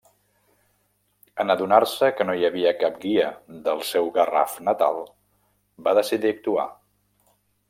En adonar-se que no hi havia cap guia del seu Garraf natal, va decidir actuar.